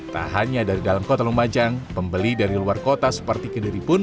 tak hanya dari dalam kota lumajang pembeli dari luar kota seperti kediri pun